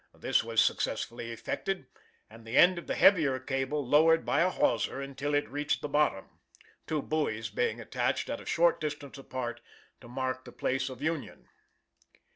This was successfully effected, and the end of the heavier cable lowered by a hawser until it reached the bottom, two buoys being attached at a short distance apart to mark the place of union.